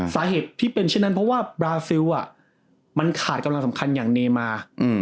สาเหตุที่เป็นเช่นนั้นเพราะว่าบราซิลมันขาดกำลังสำคัญอย่างเนมา